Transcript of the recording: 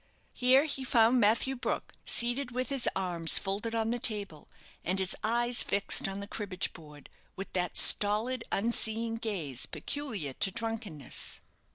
Here he found Matthew Brook seated with his arms folded on the table, and his eyes fixed on the cribbage board with that stolid, unseeing gaze peculiar to drunkenness.